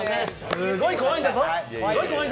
すごい怖いんだぞ。